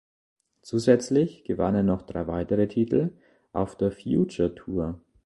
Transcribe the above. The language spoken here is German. Zusätzlich gewann er noch drei weitere Titel auf der Future Tour.